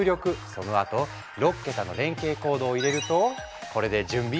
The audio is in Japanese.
そのあと６桁の連携コードを入れるとこれで準備ＯＫ！